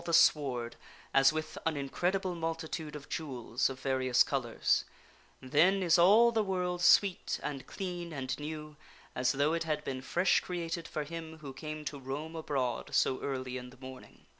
the sward as with an incredible multitude of jewels of various colors ; then is all the world sweet and clean and new, as though it had been fresh created for him who came to roam abroad so early in the morning.